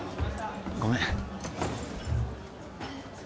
ごめん